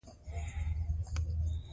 افغانستان له پامیر ډک دی.